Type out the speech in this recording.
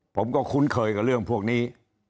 ผมก็คุ้นเคยกับเรื่องพวกนี้